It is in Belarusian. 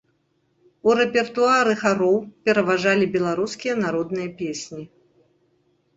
У рэпертуары хароў пераважалі беларускія народныя песні.